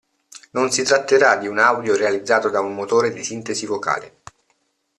Non si tratterà di un audio realizzato da un motore di sintesi vocale.